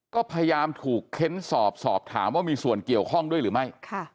ก็พยายามถูกเค้นสอบสอบถามว่ามีส่วนเกี่ยวข้องด้วยหรือไม่